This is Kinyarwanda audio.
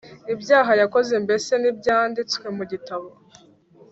ibyaha yakoze mbese ntibyanditswe mu gitabo